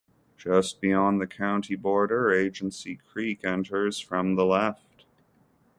Just beyond the county border, Agency Creek enters from the left.